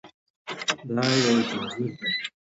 دا یو ځنځیر دی.